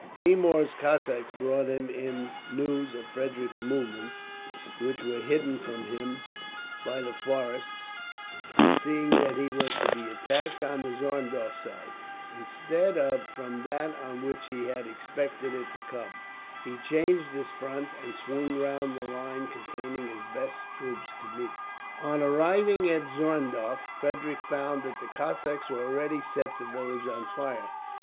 [Map: Battle of Zorndorf] Fermor's Cossacks brought him in news of Frederick's movements, which were hidden from him by the forests; and seeing that he was to be attacked on the Zorndorf side, instead of from that on which he had expected it to come, he changed his front, and swung round the line containing his best troops to meet it. On arriving at Zorndorf, Frederick found that the Cossacks had already set the village on fire.